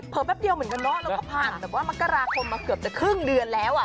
แป๊บเดียวเหมือนกันเนาะแล้วก็ผ่านแบบว่ามกราคมมาเกือบจะครึ่งเดือนแล้วอ่ะ